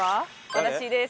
私です。